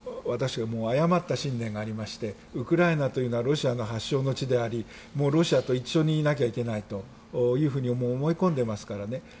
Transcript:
プーチン大統領は私、誤った信念がありましてウクライナというのはロシアの発祥の地でありロシアと一緒にいなきゃいけないと思い込んでいますからね。